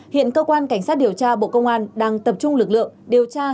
hiện cơ quan cảnh sát điều tra bộ công an đang tập trung lực lượng điều tra